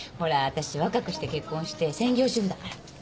私若くして結婚して専業主婦だから。